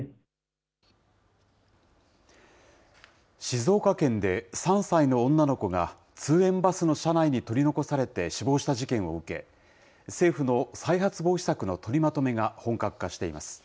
静岡県で３歳の女の子が、通園バスの車内に取り残されて死亡した事件を受け、政府の再発防止策の取りまとめが本格化しています。